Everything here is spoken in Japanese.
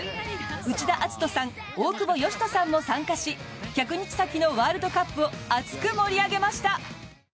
内田篤人さん大久保嘉人さんも参加し１００日先のワールドカップを熱く盛り上げました。